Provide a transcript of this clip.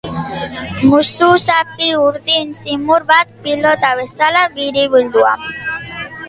Musuzapi urdin zimur bat, pilota bezala biribildua.